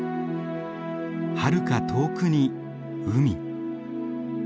はるか遠くに海。